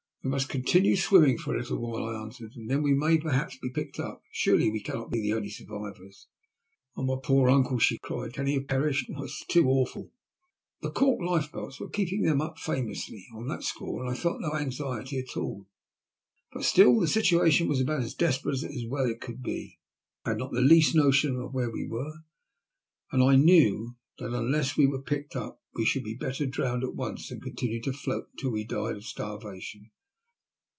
" We must continue swimming for a little while," I answered, "and then we may perhaps be picked up. Surely we cannot be the only survivors ?"" My poor, poor uncle !" she cried. " Can he have perished I Oh, it is too awful !" The cork lifebelts were keeping them up famoualy, and on that score I felt no anxiety at all. But still i THE WBECK OF THE "FIJI PRINCESS." 151 the situation was about as desperate as it well could be. I had not the least notion of where we were, and I knew that unless we were picked up we should be better drowned at once than continue to float until we died of starvation.